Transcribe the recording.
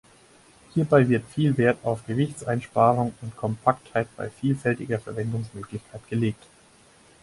Hierbei wird viel Wert auf Gewichtseinsparung und Kompaktheit bei vielfältiger Verwendungsmöglichkeit gelegt.